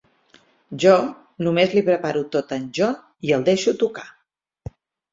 Jo només li preparo tot a en John i el deixo tocar.